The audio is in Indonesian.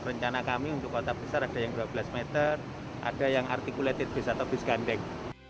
rencana kami untuk kota besar ada yang dua belas meter ada yang articulated base atau bus gandeng